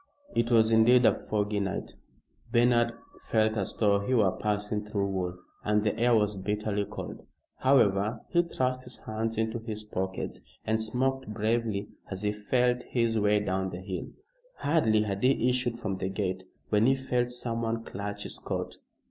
It was indeed a foggy night. Bernard felt as though he were passing through wool, and the air was bitterly cold. However, he thrust his hands into his pockets and smoked bravely as he felt his way down the hill. Hardly had he issued from the gate when he felt someone clutch his coat.